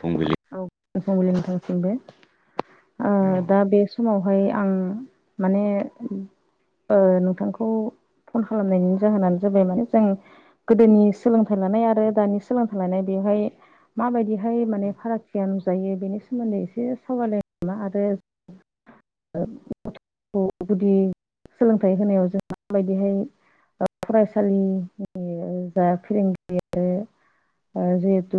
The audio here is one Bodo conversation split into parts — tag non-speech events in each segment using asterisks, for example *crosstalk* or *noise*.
फुंबिलि। औ फुंबिलि नोंथांसिमबो आ औ दा बे समावहाय आं माने ओ नोंथांखौ फन खालामनायनि जाहोनानो जाबाय माने जों गोदोनि सोलोंथाइ लानाय आरो दानि सोलोंथाइ लानाय बेवहाय माबायदिहाय माने फारागथिया नुजायो बेनि सोमोन्दै एसे सावरायलाय नामा आरो *inaudible* गथ'खौ गुदि सोलोंथाइ होनायाव जों माबायदिहाय *unintelligible* फरायसालिनि जा फोरोंगिरि ओ जिहेतु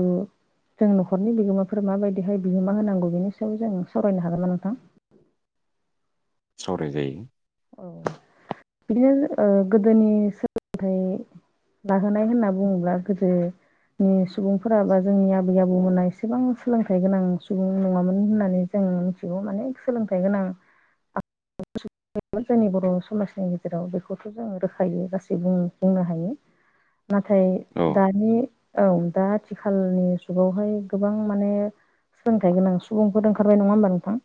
जों न' खरनि बिगोमाफोर माबायदिहाय बिहोमा होनांगौ बेनि सायाव जों सावरायनो हागोनना नोंथां? सावराय जायो। औ बिदिनो ओ गोदोनि सोलोंथाइ लाहोनाय होनना बुङोब्ला गोदो नि सुबुंफोरा बा जोंनि आबै आबौमोना एसेबां सोलोंथाइ गोनां सुबुं नङामोन होननानै जों मिथिगौ माने सोलोंथाइ गोनां *inaudible* जोंनि बर' समाजनि गेजेराव बेखौथ' जों रोखायै गासै बुंनो बुंनो हायो। *inaudible* नाथाय औ दानि औ दा आथिखालनि जुगावहाय गोबां माने सोलोंथाइ गोनां सुबुंफोर ओंखारबाय नङा होमबा नोंथां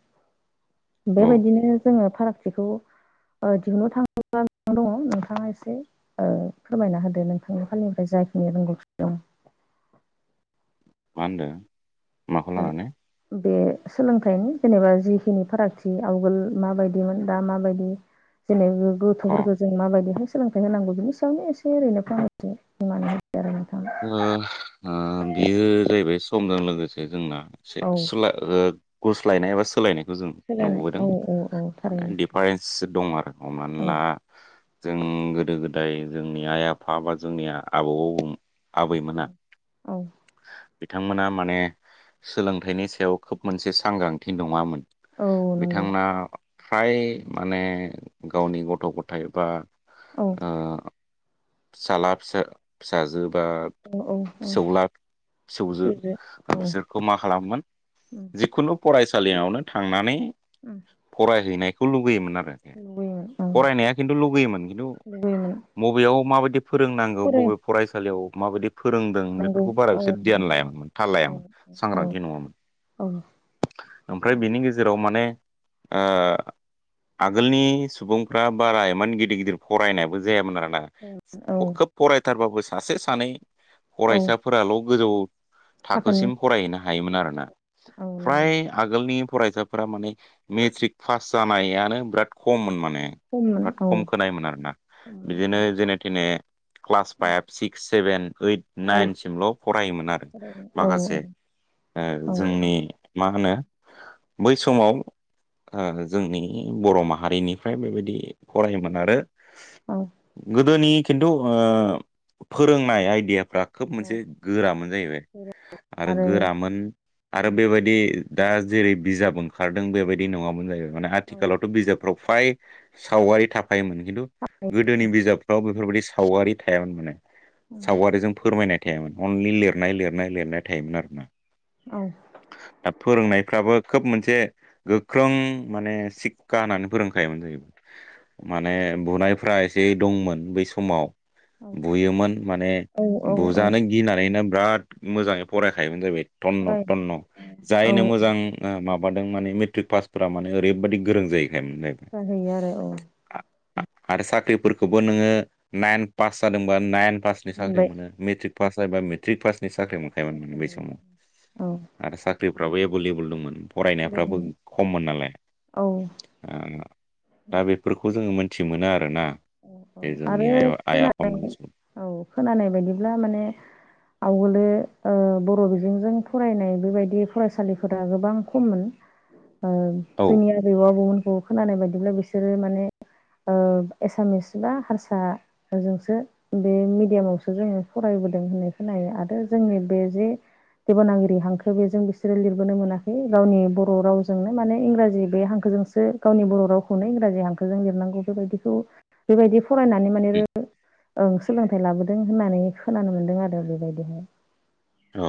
औ बेबायदिनो जोङो फाराग थिखौ ओ दिहुननो थाङोब्ला *unintelligible* दङ नोंथाङा एसे ओ फोरमायना होदो नोंथांनि फालनिफ्राय जाखिनि रोंगौथि दं। मा होनदो माखौ लानानै? बे सोलोंथाइनि जेनेबा जिखिनि फारागथि आवगोल माबायदिमोन दा माबायदि जेनै अ ओ गो-गोथ'फोरखौ जों माबायदिहाय सोलोंथाइ होनांगौ बिनि सायावनो एसे ओरैनो फंनैसो होननानै ओ ओ बियो जाहैबाय समजों लोगोसे जोंना से औ सोला ओ गुस्लायनाय एबा सोलायनाय। जों सोलायनाय नुबोदों औ औ औ माने थारैनो डिफारेन्स दं आरो हमनानै औ ला जों गोदो गोदाय जोंनि आइ आफा बा जोंनिया आबौ आबैमोना औ बिथांमोना माने सोलोंथाइनि सायाव खोब मोनसे सांग्रांथि नङामोन। औ नंगौ बिथांमोना फ्राय माने गावनि गथ' गथाइ बा औ ओ फिसाला फिसा फिसाजो बा औ औ औ फिसौला फिसौजो फिसौजो ओ औ बिसोरखौ मा खालामोमोन उम जिखुनु फरायसालियावनो थांनानै उम फरायहैनाय खौ लुगैयोमोन आरोखि लुबैयोमोन औ फरायनाया खिन्थु लुगैयोमोन खिन्थु लुबैयोमोन मबेयाव माबायदि फोरोंनांगौ बबे फरायसालियाव माबायदि फोरों दों फरायनांगौ बेफोरखौ बारा औ औ बिसोर ध्यान लायामोन थाल औ लायामोन औ सांग्रांथि नङामोन। औ ओमफ्राय औ बेनि गेजेराव माने ओ आगोलनि सुबुंफ्रा बारा इमान गिदिर गिदिर फरायनायबो जायामोन आरो ना। औ अ खोब फरायथारबाबो सासे सानै औ फरायसाफोराल' गोजौ थाखोनि थाखोसिम फरायहैनो हायोमोन आरोना औ नंगौ फ्राय आगोलनि फरायसाफोरा माने मेट्रिक पास जानायानो बिराद खममोन माने। खममोन बिराद औ खम खोनायोमोन आरोना बिदिनो जेने थेने क्लास फाइभ सिक सेभेन ओइद ओइ नाइनसिमल' फरायोमोन आरो औ माखासे ओ औ जोंनि मा होनो बै समाव ओ जोंनि बर' माहारिनिफ्राय बेबायदि फरायोमोन आरो गोदोनि खिन्थु ओ फोरोंनाय आइदिया फ्रा खोब औ मोनसे गोरामोन जाहैबाय आरो गोरामोन आरो औ बेबायदि दा जेरै बिजाब ओंखारदों बेबायदि नङामोन जाहैबाय माने औ आथिखालावथ' बिजाब फ्राव फ्राय सावगारि थाफायोमोन खिन्थु गोदोनि बिजाबफ्राव बेफोरबायदि सावगारि थायामोननो। सावगारिजों फोरमायनाय थायामोन अनलि लिरनाय लिरनाय लिरनाय थायोमोन आरोना। औ। ओ फोरोंनायफ्राबो खोब मोनसे गोख्रों माने शिक्षा होनानै फोरोंखायोमोन जाहैबाय। माने बुनायफ्रा एसे दंमोन बै समाव। बुयोमोन माने औ औ औ बुजानो गिनानैनो बिराद मोजाङै फरायखायोमोन जाहैबाय तन्न फराय थन्न औ जायनो मोजां माबादों माने मेट्रिक पासफोरा माने ओरैबायदि गोरों जायैखायमोन। जाहैयो आरो औ। आरो साख्रिफोरखौबो नोङो नाइन पास जादोंबा नाइन पासनि साख्रि मोनबाय मोनो। मेट्रिक पास एबा मेट्रिक पासनि साख्रि मोनखायोमोन औ माने बै समाव। औ आरो साख्रिफ्राबो एभैेलेबोल दंमोन। फरायनायफ्राबो खममोन नालाय औ दा बे बेफोरखौ जोङो मोनथि मोनो आरोना औ बे जोंनि आरो आइ खोना आफामोन औ खोनानाय बायदिब्ला माने आवगोलो ओ बर बिजोंजों फरायनाय बेबायदि फरायसालिफोरा गोबां खममोन। ओ औ जोंनि आजौ आबौमोनखौ खोनानाय बायदिब्ला बिसोरो माने ओ एसामिस बा हारसा जोंसो बे मिडियामावसो जोङो फरायबोदों होननाय खोनायो आरो जोंनि बे जे देबनागिरि हांखो बेजों बिसोरो लिरबोनो मोनाखै गावनि बर' रावजोंनो माने इंराजि बे हांखोजों बे गावनि बर रावखौनो इंराजि हांखोजों लिरनांगौ बेबायदिखौ बेबायदि फरायनानै माने ओं सोलोंथाइ लाबोदों होननानै खोनानो मोन्दों आरो बेबायदिहाय। औ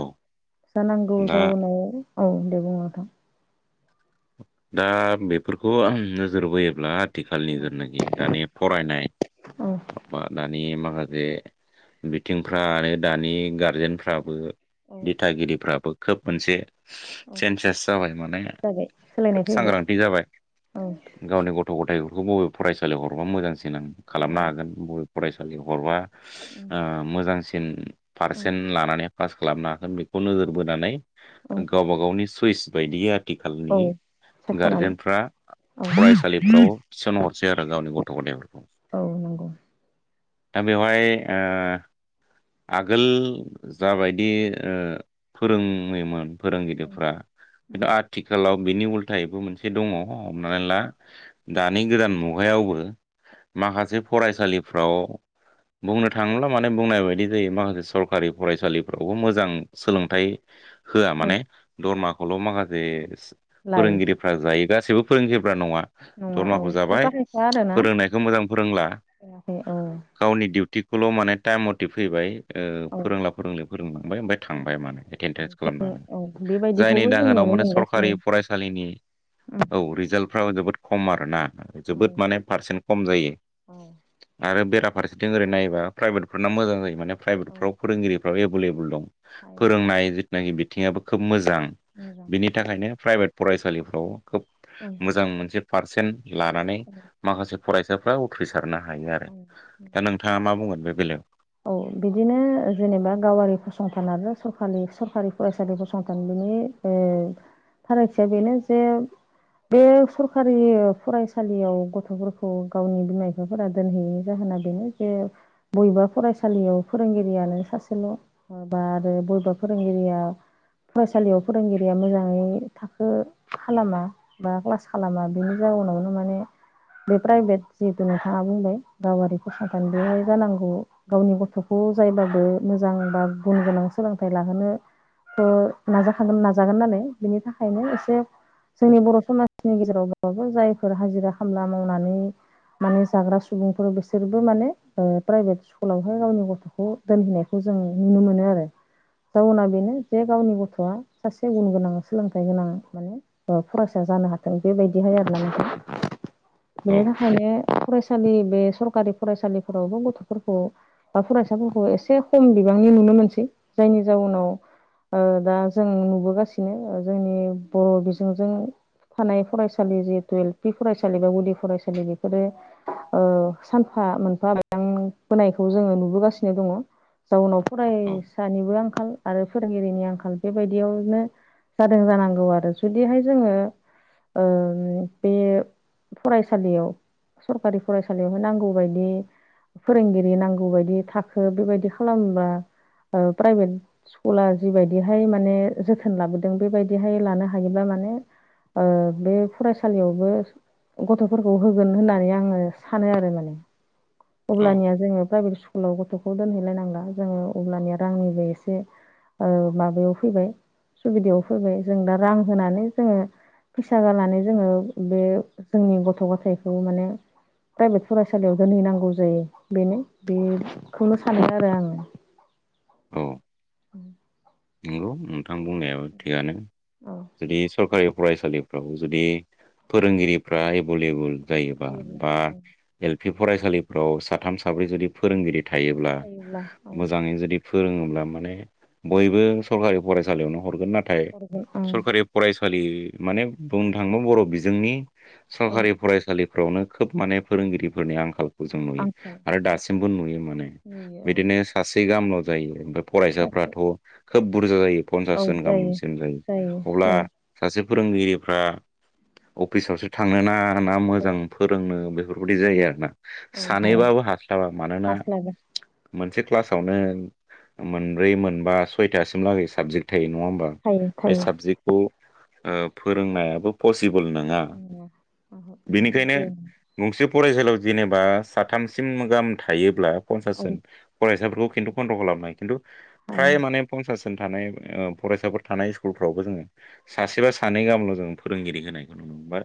जा नांगौ दा जाउनाव औ दे बुं नोंथां। दा बेफोरखौ आं नोजोर बोयोब्ला आथिखालनि औ जानाखि दानि फरायनाय औ बा दानि माखासे बिथिंफ्रानो दानि गारजेनफ्राबो औ दिथागिरिफ्राबो खोब मोनसे चेन्जेस जाबाय माने जाबाय सोलायनाय खोब फैबाय सांग्रांथि जाबाय औ गावनि ग'थ गथायफोरखौ बबे फरायसालियाव हरबा मोजांसिन देनां खालामनो मोजां हागोन बबे फरायसालियाव हरबा उम ओ मोजांसिन उम पारसेन्ट लानानै पास खालामनो हागोन बेखौ औ नोजोर बोनानै औ गावबा गावनि सुइस बायदियै औ आथिखालनि सायख'नानै गारजेनफ्रा औ फरायसालिफ्राव थिसन हरसै आरो गावनि गथ गथायफोरखौ। औ नंगौ। दा बेवहाय ओ आगोल जाबायदि ओ फोरोङोमोन फोरोंगिरिफ्रा खिन्थु आथिखालाव बिनि उल्थायैबो मोनसे दङ हमनानै ला दानि गोदान मुगायावबो माखासे फरायसालिफ्राव बुंनो थाङोब्ला माने बुंनाय बायदि जेरै माखासे सरखारि फरायसालिफ्रावबो मोजां सोलोंथाइ होआ औ माने दरमाखौ खौल माखासे लायो फोरोंगिरिफ्रा जायो गासैबो फोरोंगिरिफ्रा नङा। नङा औ दरमाखौ जाबाय खायफा खायफा आरोना फोरोंनायखौ मोजां फोरोंला। लायाखै औ गावनि डिउटिखौल माने टाइम मथे फैबाय। ओ औ फोरोंला फोरोंलि फोरोंलांबाय ओमफ्राय थांबाय माने औ एटेन्डेन्स जों खालामनानै। औ जायनि बेबायदिखौबो जों दाहोनाव नुनो माने मोनगासिनो सरखारि फरायसालिनि उम औ रिजालफ्रा जोबोद खम आरो ना औ जोबोद माने पारसेन्ट खम जायो। आरो बेराफारसेथिं ओरै नायोबा प्राइभेटफोरना मोजां जायो माने औ प्राइभेटफ्राव फोरोंगिरिफोराबो एभेलेबल दं हायो फोरोंनाय जिथुनाखि बिथिङाबो खोब मोजां मोजां बिनि थाखायनो प्राइभेट फरायसालिफ्राव खोब उम मोजां मोनसे पारसेन्ट लानानै माखासे फरायसाफ्रा उथ्रिसारनो हायो आरो उम दा नोंथाङा मा बुंगोन बे बेलायाव औ बिदिनो जेनेबा गावारि फसंथान आरो सरखारनि सरखारि फरायसालि फसंथान बिनि ए फारागथिया बेनो जे बे सरखारि फरायसालियाव गथ'फोरखौ गावनि बिमा बिफा फोरा दोनहैयैनि जाहोना बेनो जे बबेबा फरायसालियाव फोरोंगिरियानो सासेल' बा आरो बबेबा फोरोंगिरिया फरायसालियाव फोरोंगिरिया मोजाङै थाखो खालामा बा क्लास खालामा बेनि जाउनावनो माने बे प्राइभेट जिहेतु नोंथाङा बुंबाय गावारि फसंथान बेहाय जानांगौ गावनि गथ'खौ जायब्लाबो मोजां बा गुन गोनां सोलोंथाइ लाहोनो ओ नाजाखागोन नाजागोन नालाय बिनि थाखायनो एसे जोंनि बर' समाजनि गेजेरावबाबो जायफोर हाजिरा खामला मावनानै माने जाग्रा सुबुंफोर बिसोरबो माने ओ प्राइभेट स्कुलावहाय गावनि गथ'खौ दोनहैनायखौ जों नुनो मोनो आरो जाउना बेनो जे गावनि गथ'आ सासे गुन गोनां सोलोंथाइ गोनां माने ओ फरायसा जानो हाथों बेबायदिहाय आरोना नोंथां। औ बेनि थाखायनो फरायसालि बे सरकारि फरायसालिफोरावबो गथफोर बा फरायसाफोरखौ एसे खम बिबांनि नुनो मोनसै जायनि जाउनाव ओ दा जों नुबोगासिनो जोंनि बर' बिजोंजों थानाय फरायसालि जिहेतु एल पि फरायसालि बा गुदि फरायसालि बेफोरो ओ सानफा मोनफा बोनायखौ जोङो नुबोगासिनो दङ जाउनाव औ फरायसानिबो आंखाल आरो फोरोंगिरिनि आंखाल बेबायदियावनो जादों जानांगौ आरो जुदिहाय जोङो ओम बे फरायसालियाव सरखारि फरायसालियावहाय नांगौबायदि फोरोंगिरि नांगौ बायदि थाखो बेबायदि खालामब्ला प्राइभेट स्कुला जिबायदिहाय माने जोथोन लाबोदों बेबायदिहाय लानो हायोब्लाा माने ओ बे फरायसालियावबो गथ'फोरखौ होगोन होननानै आङो सानो आरो माने। औ अब्लानिया जोङो प्राइभेट स्कुलाव गथ'खौ दोनहैलायनांला जोङो अब्लानिया रांनिबो एसे ओ माबायाव फैबाय सुबिदायाव फैबाय जों दा रां होनानै जोङो फैसा गारनानै जोङो बे जोंनि गथ' गथायाइखौ माने प्राइभेट फरायसालियाव दोनहैनांगौ जायो बेनो बेखौनो सानो आरो आङो। औ नोंगौ नोंथां बुंनायाबो थिगानो औ जुदि सरकारि फरायसालिफ्राव जुदि फोरोंगिरिफ्रा एभेलेबल जायोबा थायोब्ला बा औ एल पि फरायसालिफ्राव साथाम साब्रै जुदि फोरोंगिरि थायोब्ला मोजाङै जुदि फोरोङोब्ला माने बयबो सरखारि फरायसालियावनो हरगोन नाथाय हरगोन ओं सरखारि फरायसालि माने बुंनो थाङोबो बर' बिजोंनि औ सरखारि फरायसालि -फोरावनो खोब माने फोरोंगिरिफोरनि आंखाल। जों नुयो आंखौ आरो दासिमबो नुयो माने नुयो ओं बिदिनो सासे गाहामल' जायो। सासे फरायसाफ्राथ' खोब बुरजा जायो पन्सासजन गाहामसिम जायो अब्ला सासे फोरोंगिरिफ्रा अफिसावसो थांनोना ना मोजां फोरोंनो बेफोरबायदि जायो औ आरो ना औ हाया सानैबाबो हास्लाबा मानोना हास्लाबा मोनसे क्लासावनो मोनब्रै मोनबा सयथासिम लागै साबजेक्ट थायो नङा होमबा? थायो बे थायो साबजेक्टखौ ओ फोरोंनायाबो पसिबोल नङा औ बिनिखायनो हायो गंसे फरायसालियाव जेनेबा साथामसिम गाहाम थायोब्ला पन्सास जन फरायसाफोरखौ खिन्थु कन्ट्रल खालामनो हायो खिन्थु फ्राय माने *unintelligible* थानाय ओ फरायसाफोर थानाय स्कुलफ्रावबो जोङो सासेबा सानै गाहामल' जों फोरोंगिरि होनायखौ नुनो मोनो बा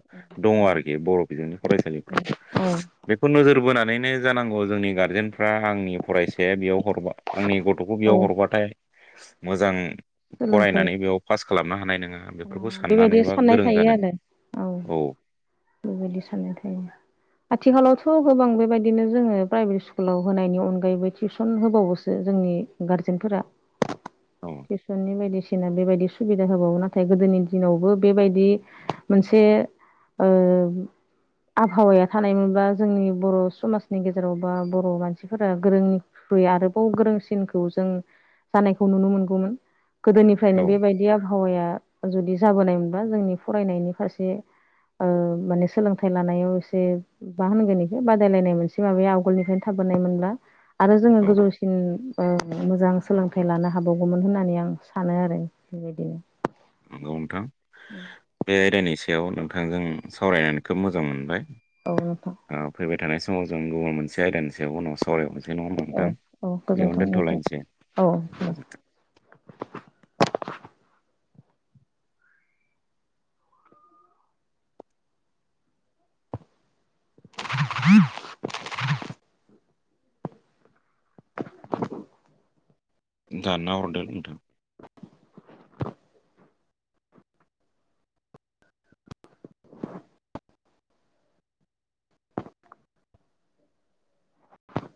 दङ आरोखि बर' बिजोंनि फरायसालिफ्राव। औ बेखौ नोजोर बोनानैनो जानांगौ जोंनि गारजेनफ्रा आंनि फरायसाया बेयाव हरबा आंनि गथ'खौ बियाव औ हरबाथाय मोजां सोलोंथाइ फरायनानै बेयाव पास खालामनो हानाय नोङा बेफोरखौ साननानै बेबायदि बा साननाय गोरों थायो जानो आरो औ। बेबायदि साननाय थायो। आथिखालावथ' गोबां बेबायदिनो जोङो प्राइभेट स्कुलाव होनायनि अनगायैबो टिउसन होबावोसो। जोंनि गारजेनफोरा। औ। टिउसननि बायदिसिना बेबायदि सुबिदा होबावो ना नाथाय गोदोनि दिनावबो बेबायदि मोनसे ओ आबहावाया थानायमोनबा जोंनि बर' समाजनि गेजेराव बा बर' मानसिफोरा गोरों बै आरोबाव गोरोंसिनखौ जों जानायखौ नुनो मोनगौमोन। औ गोदोनिफ्रायनो बेबायदि आबहावाया जुदि जाबोनायमोनबा जोंनि फरायनायनि फारसे ओ माने सोलोंथाइ लानायाव एसे मा होनगोन बेखौ बादायलायनाय मोनसे माबाया आवगोलनिफ्रायनो थाबोनाय मोनब्ला आरो जोङो औ गोजौसिन ओ मोजां सोलोंथाइ लानो हाबावगौमोन होननानै आं सानो आरो। बेबायदिनो। नंगौ नोंथां बे आयदानि सायाव नोंथांजों सावरायनानै खोब मोजां मोनबाय। औ नोंथां। ओ फैबाय थानाय समाव जों गुबुन मोनसे आयदानि सायाव उनाव सावरायबावनोसै। नङा होबा औ नोंथां औ गोजोनथों बेयावनो नोंथां दोन्थ'लायनोसै औ दे गोजोनथों। *inaudible* दानना हरदो नोंथां।